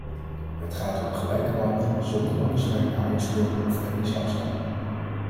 Het gaat om gelijke behandeling zonder onderscheid naar huidskleur of etnische afstamming.